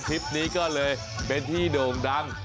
คลิปนี้ก็เลยเป็นที่โด่งดัง